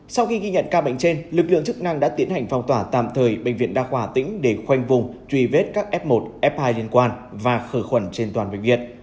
sau khi ghi nhận ca bệnh trên lực lượng chức năng đã tiến hành phong tỏa tạm thời bệnh viện đa khoa tỉnh để khoanh vùng truy vết các f một f hai liên quan và khử khuẩn trên toàn bệnh viện